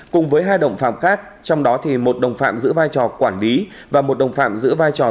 cùng với hai đồng phạm khác trong đó thì một đồng phạm giữ vai trò quản lý và một đồng phạm giữ vai trò